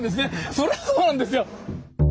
それはそうなんですよ。